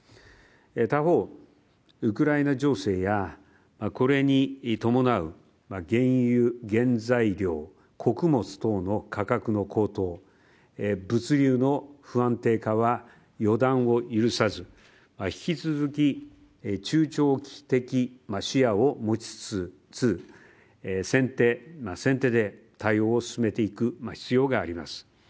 他方、ウクライナ情勢やこれに伴う原油、原材料、穀物等の価格の高騰、物流の不安定化は予断を許さず、引き続き、中長期的視野を持ちつつ先手で対応を進めていく必要があります。